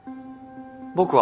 僕は。